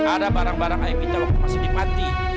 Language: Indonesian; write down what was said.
ada barang barang evita waktu masih dipati